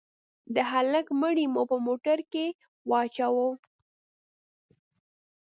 د هلك مړى مو په موټر کښې واچاوه.